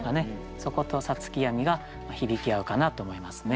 そこと「五月闇」が響き合うかなと思いますね。